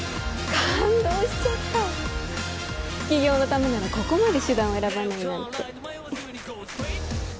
感動しちゃった起業のためならここまで手段を選ばないなんて